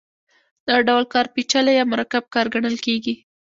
دا ډول کار پېچلی یا مرکب کار ګڼل کېږي